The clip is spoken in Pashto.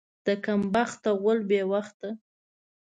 د کم بخته غول بې وخته.